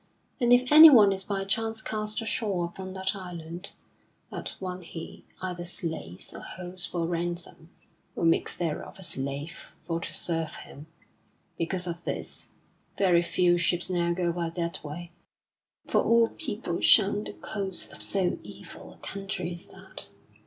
And if anyone is by chance cast ashore upon that island, that one he either slays or holds for ransom, or makes thereof a slave for to serve him. Because of this, very few ships now go by that way, for all people shun the coasts of so evil a country as that.